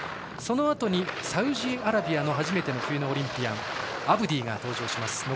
そのあとにサウジアラビアの初めての冬のオリンピアンアブディが登場します。